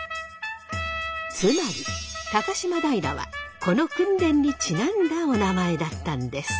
つまり高島平はこの訓練にちなんだおなまえだったんです。